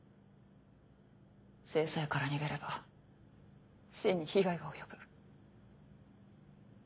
制裁から逃げれば芯に被害が及ぶ。